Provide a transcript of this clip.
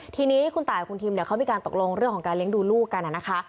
ทีนี้คุณตายกับคุณทิมเขามีการตกลงเรื่องของการเลี้ยงดูลูกกันนะคะ